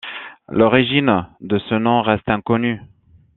L'origine de ce nom reste inconnue.